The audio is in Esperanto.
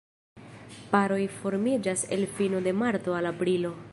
Paroj formiĝas el fino de marto al aprilo.